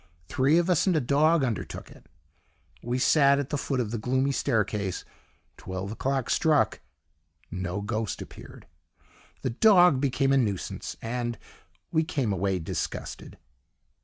Three of us and a dog undertook it. We sat at the foot of the gloomy staircase; twelve o'clock struck, no ghost appeared, the dog became a nuisance and we came away disgusted.